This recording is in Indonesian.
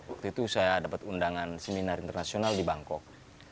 waktu itu saya dapat undangan seminar internasional di bangkok